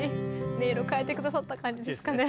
音色変えてくださった感じですかね。